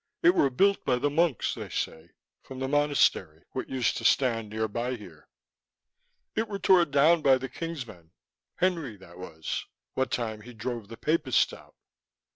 It were built by the monks, they say, from the monastery what used to stand nearby here. It were tore down by the King's men, Henry, that was, what time he drove the papists out."